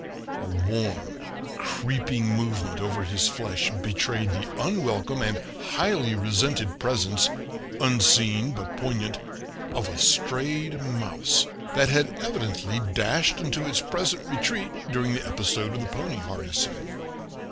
A warm, creeping movement over his flesh betrayed the unwelcome and highly resented presence, unseen but poignant, of a strayed mouse, that had evidently dashed into its present retreat during the episode of the pony harnessing.